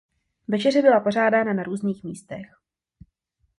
Večeře byla pořádána na různých místech.